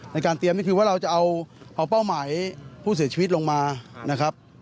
ในการเตรียมนี่คือว่าเราจะเอาเป้าหมายผู้เสียชีวิตลงมานะครับ